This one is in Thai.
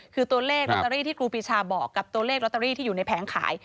คือตัวเลขลอตเตอรี่ที่ครูปีชาบอกกับตัวเลขลอตเตอรี่ที่อยู่ในแผงขาย